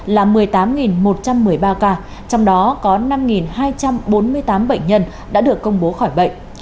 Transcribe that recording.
là một mươi tám một trăm một mươi ba ca trong đó có năm hai trăm bốn mươi tám bệnh nhân đã được công bố khỏi bệnh